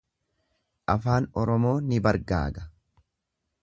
Afaan Oromoo ni bargaaga.